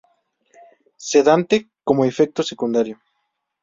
Sedante, como efecto secundario.